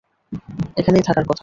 এখানেই থাকার কথা।